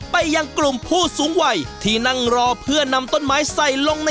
ไปยังกลุ่มผู้สูงวัยที่นั่งรอเพื่อนำต้นไม้ใส่ลงใน